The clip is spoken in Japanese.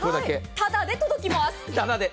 ただで届きます。